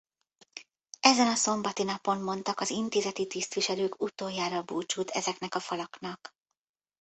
Ezen a szombati napon mondtak az intézeti tisztviselők utoljára búcsút ezeknek a falaknak.